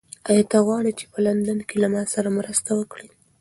ایا ته غواړې چې په لندن کې له ما سره مرسته وکړې؟